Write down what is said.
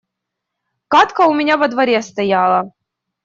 Кадка у меня во дворе стояла